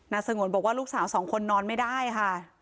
สงวนบอกว่าลูกสาวสองคนนอนไม่ได้ค่ะ